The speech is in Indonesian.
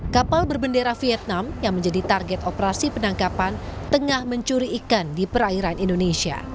kapal berbendera vietnam yang menjadi target operasi penangkapan tengah mencuri ikan di perairan indonesia